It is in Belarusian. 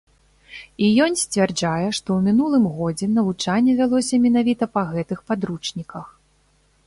І ён сцвярджае, што ў мінулым годзе навучанне вялося менавіта па гэтых падручніках.